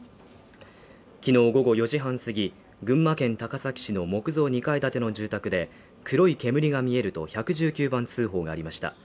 きのう午後４時半すぎ、群馬県高崎市の木造２階建ての住宅で黒い煙が見えると１１９番通報がありました。